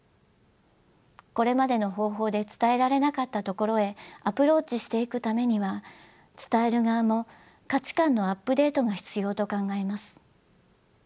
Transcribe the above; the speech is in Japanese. これまでの方法で伝えられなかったところへアプローチしていくためには伝える側も価値観のアップデートが必要と考えます。